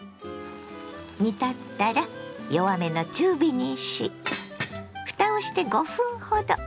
煮立ったら弱めの中火にしふたをして５分ほど。